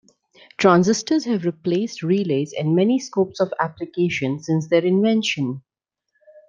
Transistors have replaced relays in many scopes of application since their invention.